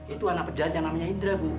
itu anak pejabat yang namanya indra bu